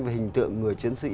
và hình tượng người chiến sĩ